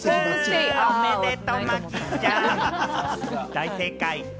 大正解。